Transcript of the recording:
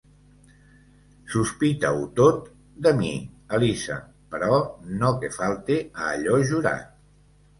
Sospita-ho tot, de mi, Elisa, però no que falte a allò jurat.